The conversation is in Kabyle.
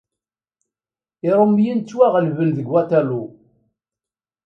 Iṛumiyen ttwaɣelben deg Waterloo.